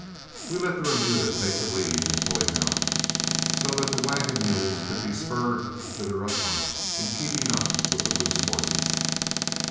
We let the remuda take the lead in pulling out, so that the wagon mules could be spurred to their utmost in keeping up with the loose horses.